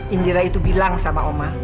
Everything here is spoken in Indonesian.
indira itu bilang sama oma